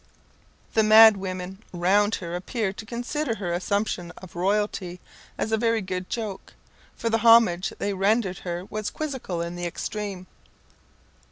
The madwomen round her appeared to consider her assumption of royalty as a very good joke, for the homage they rendered her was quizzical in the extreme.